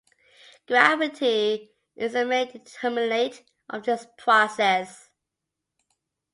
Gravity is the main determinant of this process.